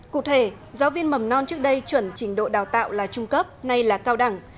cụ thể giáo viên mầm non trước đây chuẩn trình độ đào tạo là trung cấp nay là cao đẳng